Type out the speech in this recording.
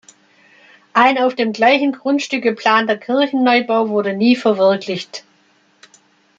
Ein auf dem gleichen Grundstück geplanter Kirchen-Neubau wurde nie verwirklicht.